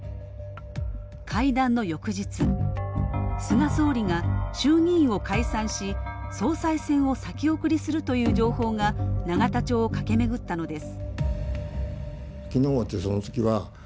会談の翌日「菅総理が、衆議院を解散し総裁選を先送りする」という情報が永田町を駆け巡ったのです。